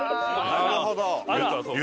なるほど。